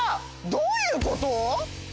どういうこと！？